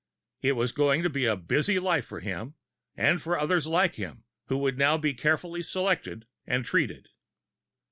It was going to be a busy life for him and for the others like him who would now be carefully selected and treated!